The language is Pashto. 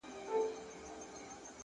صبر د بریا د لارې رفیق دی